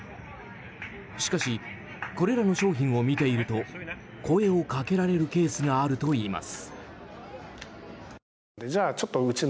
しかしこれらの商品を見ていると声を掛けられるケースがあるといいます。